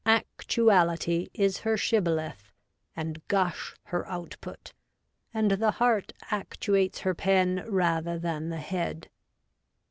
' Actuality ' is her shibboleth and gush her output ; and the heart actuates her pen rather than the head.